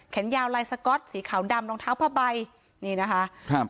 ยาวลายสก๊อตสีขาวดำรองเท้าผ้าใบนี่นะคะครับ